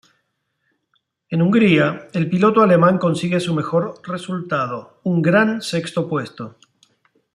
En Hungría, el piloto alemán consigue su mejor resultado, un gran sexto puesto.